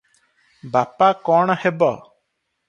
ବାପା କଣ ହେବ?"